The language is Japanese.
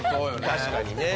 確かにね。